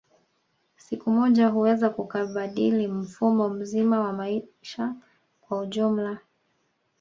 Siku moja huweza kubadili mfumo mzima wa maisha kwa ujumla